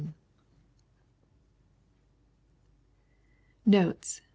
Notes.